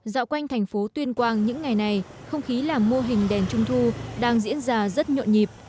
dạo quanh thành phố tuyên quang những ngày này không khí làm mô hình đèn trung thu đang diễn ra rất nhộn nhịp